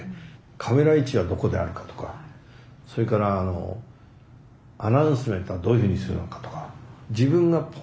カメラ位置はどこであるかとかそれからあのアナウンスメントはどういうふうにするのかとか。